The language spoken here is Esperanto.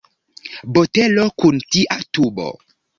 Botelo kun tia tubo.